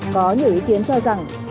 có nhiều ý kiến cho rằng